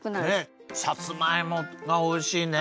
さつまいもがおいしいね。